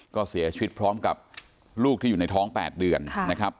ก็เสียชีวิตพร้อมกับลูกที่อยู่ในท้อง๘เดือนนะครับ